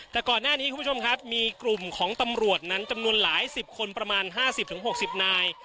แต่ก่อนหน้านี้คุณผู้ชมครับมีกลุ่มของตำรวจนั้นจำนวนหลายสิบคนประมาณ๕๐๖๐นาย